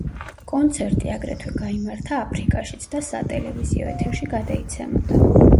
კონცერტი აგრეთვე გაიმართა აფრიკაშიც და სატელევიზიო ეთერში გადაიცემოდა.